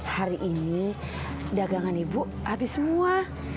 hari ini dagangan ibu habis semua